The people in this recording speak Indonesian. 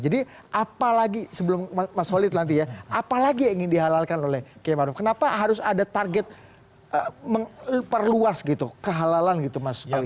jadi apalagi sebelum mas holid nanti ya apalagi yang ingin dihalalkan oleh km arief kenapa harus ada target perluas gitu kehalalan gitu mas holid